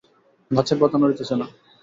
গাছের পাতা নড়িতেছে না।